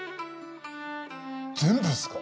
全部ですか？